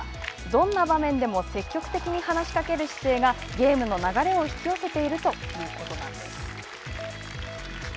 どんな場面でも積極的に話しかける姿勢がゲームの流れを引き寄せているということなんです。